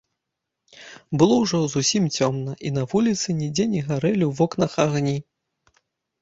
Было ўжо зусім цёмна, і на вуліцы нідзе не гарэлі ў вокнах агні.